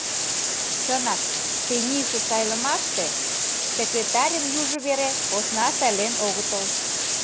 Чынак, тенийсе сайлымаште секретарьым южо вере посна сайлен огытыл.